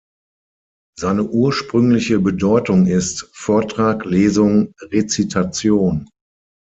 Seine ursprüngliche Bedeutung ist „Vortrag, Lesung, Rezitation“.